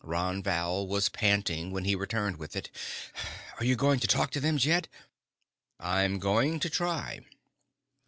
Ron Val was panting when he returned with it. "Are you going to talk to them, Jed?" "I'm going to try."